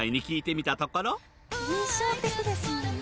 印象的ですもんね。